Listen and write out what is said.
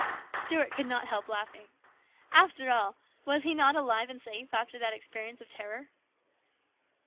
Stuart could not help laughing. After all, was he not alive and safe after that experience of terror